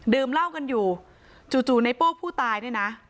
เหล้ากันอยู่จู่ในโป้ผู้ตายเนี่ยนะ